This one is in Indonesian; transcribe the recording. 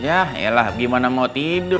ya ya lah gimana mau tidur